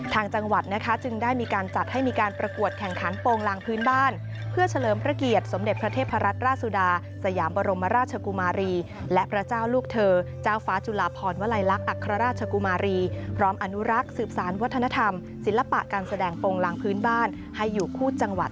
ทางจังหวัดนะคะจึงได้มีการจัดให้มีการประกวดแข่งขันโปรงลางพื้นบ้านเพื่อเฉลิมพระเกียรติสมเด็จพระเทพรัตนราชสุดาสยามบรมราชกุมารีและพระเจ้าลูกเธอเจ้าฟ้าจุลาพรวลัยลักษณ์อัครราชกุมารีพร้อมอนุรักษ์สืบสารวัฒนธรรมศิลปะการแสดงโปรงลางพื้นบ้านให้อยู่คู่จังหวัด